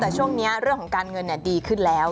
แต่ช่วงนี้เรื่องของการเงินดีขึ้นแล้ว